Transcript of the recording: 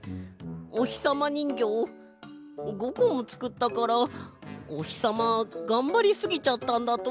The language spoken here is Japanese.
おひさまにんぎょうを５こもつくったからおひさまがんばりすぎちゃったんだとおもう。